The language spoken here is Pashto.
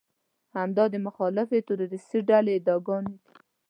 همدا د مخالفې تروريستي ډلې ادعاګانې دي.